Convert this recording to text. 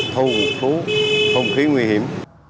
thâu khí nguy hiểm